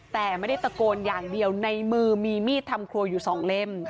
แต่ไม่ได้ตะโกนอย่างเดียวในมือมีมีดทำครัวอยู่สองเล่ม